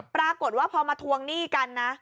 ปรากฏว่าพอมาทวงหนี้กันนะ